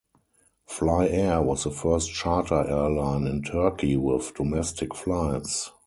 Fly Air was the first charter airline in Turkey with domestic flights.